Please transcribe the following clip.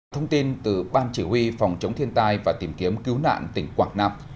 thông tin từ ban chỉ huy phòng chống thiên tai và tìm kiếm cứu nạn tỉnh quảng nam